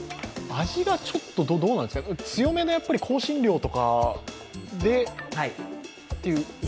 味が、どうなんですか、強めの香辛料とかでという？